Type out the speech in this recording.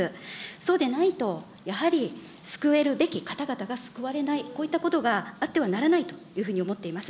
そうでないと、やはり救えるべき方々が救われない、こういったことがあってはならないというふうに思っています。